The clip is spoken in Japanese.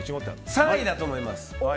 ３位だと思います！